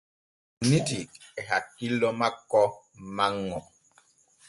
O fonnitii e hakkillo makko manŋo.